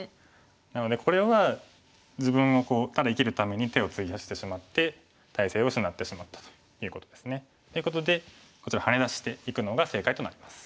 なのでこれは自分をただ生きるために手を費やしてしまって大勢を失ってしまったということですね。ということでこちらハネ出していくのが正解となります。